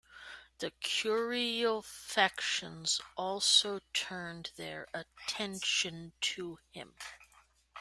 The curial factions also turned their attention to him.